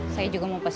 saya juga mau pesen